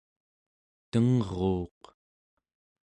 tengruuq